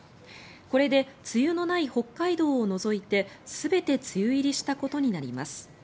これで梅雨のない北海道を除いて全て梅雨入りしたことになります。